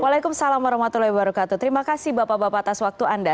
waalaikumsalam warahmatullahi wabarakatuh terima kasih bapak bapak atas waktu anda